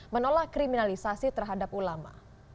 menolak kriminalisasi terhadap ulama